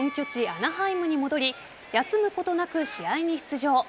アナハイムに戻り休むことなく試合に出場。